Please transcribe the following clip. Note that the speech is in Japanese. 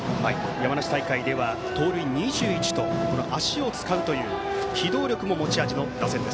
山梨大会では盗塁２１と足を使う、機動力も持ち味の打線。